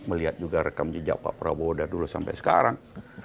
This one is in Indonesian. melihat juga rekam jejak pak prabowo dari dulu sampai sekarang